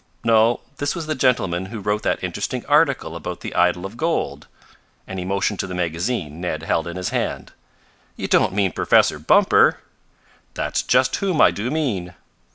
"No, this was the gentleman who wrote that interesting article about the idol of gold," and he motioned to the magazine Ned held in his hand. "You don't mean Professor Bumper!" "That's just whom I do mean."